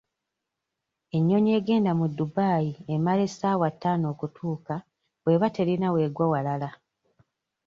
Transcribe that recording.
Ennyonyi egenda mu Dubai emala essaawa ttaano okutuuka bw'eba terina w'egwa walala.